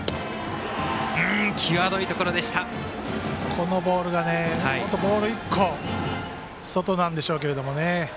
このボールが、本当にボール１個外なんでしょうけれどもね。